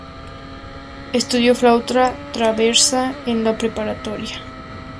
Estudió flauta traversa en la preparatoria.